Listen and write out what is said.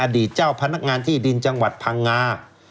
เจ้าพนักงานที่ดินจังหวัดพังงา